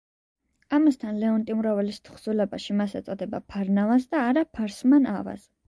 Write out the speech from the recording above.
ამასთან ლეონტი მროველის თხზულებაში მას ეწოდება ფარნავაზ და არა ფარსმან-ავაზ.